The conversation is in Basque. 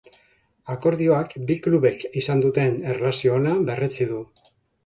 Akordioak bi klubek izan duten erlazio ona berretsi du.